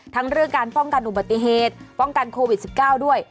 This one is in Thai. เรื่องการป้องกันอุบัติเหตุป้องกันโควิด๑๙ด้วย